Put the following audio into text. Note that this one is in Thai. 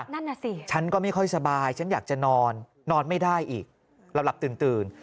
นั่นน่ะสิฉันก็ไม่ค่อยสบายฉันอยากจะนอนนอนไม่ได้อีกหลับตื่น